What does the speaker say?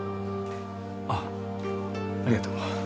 あっありがとう